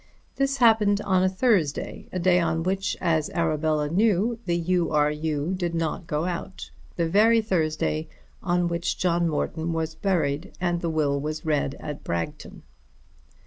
This happened on a Thursday, a day on which, as Arabella knew, the U. R. U. did not go out; the very Thursday on which John Morton was buried and the will was read at Bragton.